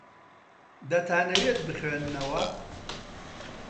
دەتانەوێت بخوێننەوە؟